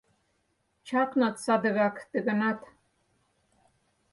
Чакнат садыгак ты ганат.